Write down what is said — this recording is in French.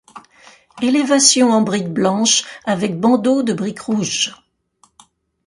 Élévation en brique blanche avec bandeaux de brique rouge.